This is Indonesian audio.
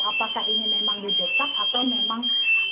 apakah ini memang di jokap atau memang